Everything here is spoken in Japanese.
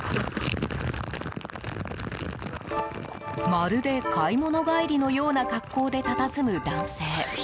まるで買い物帰りのような格好でたたずむ男性。